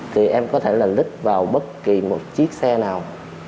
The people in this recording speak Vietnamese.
thì em có thể là lích vào bất kỳ một chiếc xe nào